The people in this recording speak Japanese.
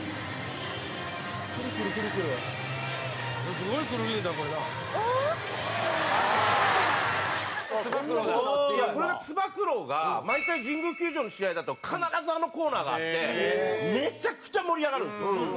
すごい！これがつば九郎が毎回神宮球場の試合だと必ずあのコーナーがあってめちゃくちゃ盛り上がるんですよ。